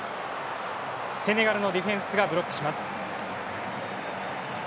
セネガルのディフェンスがブロックします。